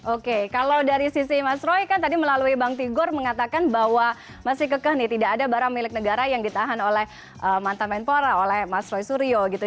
oke kalau dari sisi mas roy kan tadi melalui bang tigor mengatakan bahwa masih kekeh nih tidak ada barang milik negara yang ditahan oleh mantan menpora oleh mas roy suryo gitu